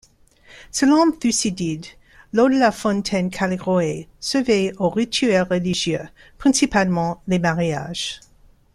Selon Thucydide, l'eau de la fontaine Callirhoé servait aux rituels religieux, principalement les mariages.